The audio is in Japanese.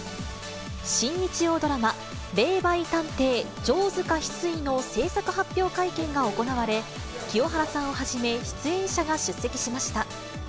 新日曜ドラマ、霊媒探偵・城塚翡翠の制作発表会見が行われ、清原さんをはじめ、出演者が出席しました。